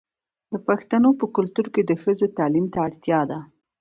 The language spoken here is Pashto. د پښتنو په کلتور کې د ښځو تعلیم ته اړتیا ده.